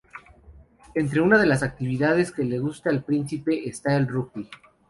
Entre una de las actividades que le gusta al príncipe está el rugby.